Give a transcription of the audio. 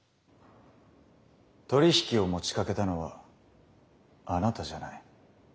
取り引きを持ちかけたのはあなたじゃない。